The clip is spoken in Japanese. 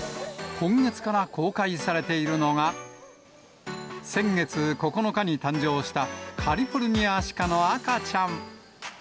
今月から公開されているのが、先月９日に誕生したカリフォルニアアシカの赤ちゃん。